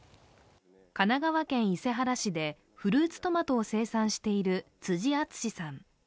神奈川県伊勢原市でフルーツトマトを生産している辻敦史さん。